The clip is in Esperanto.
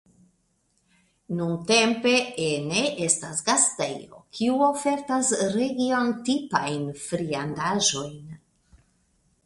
Nuntempe ene estas gastejo kiu ofertas regiontipajn friandaĵojn.